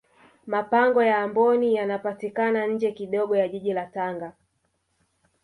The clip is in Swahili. mapango ya amboni yanapatikana nje kidogo ya jiji la tanga